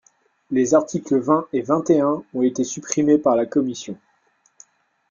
Les articles vingt et vingt et un ont été supprimés par la commission.